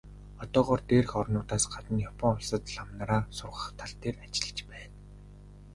Одоогоор дээрх орнуудаас гадна Япон улсад лам нараа сургах тал дээр ажиллаж байна.